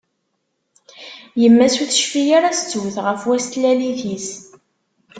Yemma-s ur tecfi ara s ttbut ɣef wass n tlalit-is.